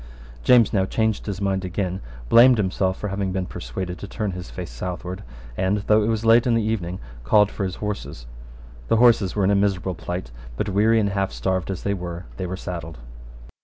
James now changed his mind again, blamed himself for having been persuaded to turn his face southward, and, though it was late in the evening, called for his horses. The horses were in a miserable plight; but, weary and half starved as they were, they were saddled.